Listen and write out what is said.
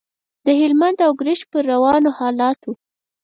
د هلمند او ګرشک پر روانو حالاتو.